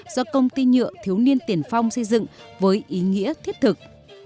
do công ty nhựa thiếu niên tiền phong xây dựng với ý nghĩa thiết thực